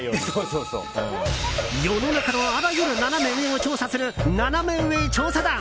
世の中の、あらゆるナナメ上を調査するナナメ上調査団。